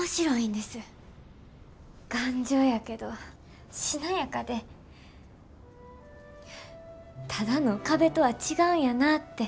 頑丈やけどしなやかでただの壁とは違うんやなって